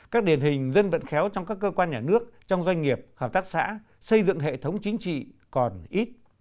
các điển hình dân vận khéo trong các cơ quan nhà nước trong doanh nghiệp hợp tác xã xây dựng hệ thống chính trị còn ít